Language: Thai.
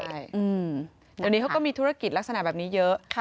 เดี๋ยวนี้เขาก็มีธุรกิจลักษณะแบบนี้เยอะ